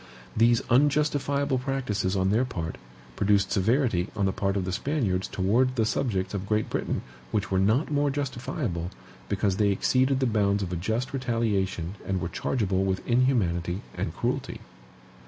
These unjustifiable practices on their part produced severity on the part of the Spaniards toward the subjects of Great Britain which were not more justifiable, because they exceeded the bounds of a just retaliation and were chargeable with inhumanity and cruelty.